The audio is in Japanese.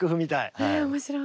え面白い。